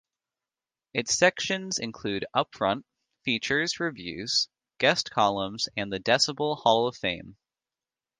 Its sections include Upfront, Features, Reviews, Guest Columns and the Decibel Hall of Fame.